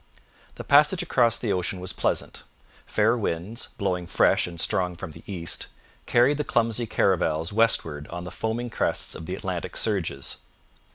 The passage across the ocean was pleasant. Fair winds, blowing fresh and strong from the east, carried the clumsy caravels westward on the foaming crests of the Atlantic surges.